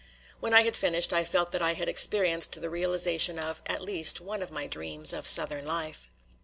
When I had finished, I felt that I had experienced the realization of, at least, one of my dreams of Southern life.